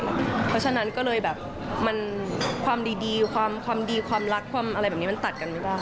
เพราะฉะนั้นก็เลยแบบมันความดีความดีความรักความอะไรแบบนี้มันตัดกันไม่ได้